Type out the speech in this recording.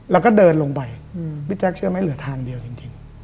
แล้วก็เดินลงไปพี่แจ๊คเชื่อไหมเหลือทางเดียวจริง